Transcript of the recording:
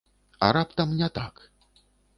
А раптам не так.